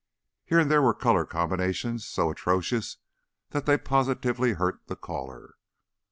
Here and there were color combinations so atrocious that they positively hurt the caller.